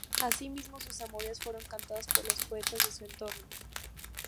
Asimismo, sus amoríos fueron cantados por los poetas de su entorno.